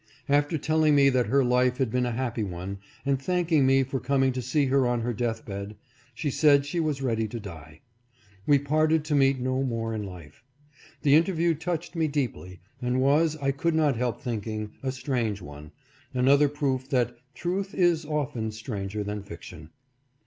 After telling me that her life had been a happy one, and thanking me for coming to see her on her death bed, she said she was ready to die. We parted to meet no more in life. The inter view touched me deeply, and was, I could not help think ing, a strange one — another proof that " truth is often stranger than fiction."